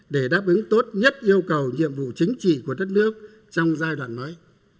để đáp ứng tốt nhất yêu cầu nhiệm vụ chính trị của đất nước trong giai đoạn mới